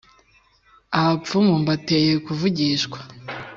abapfumu mbateye kuvugishwa,